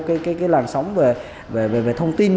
cái làn sóng về thông tin